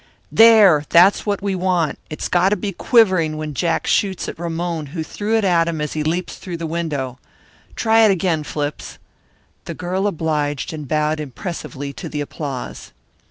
"There! That's what we want. It's got to be quivering when Jack shoots at Ramon who threw it at him as he leaps through the window. Try it again, Flips." The girl obliged and bowed impressively to the applause.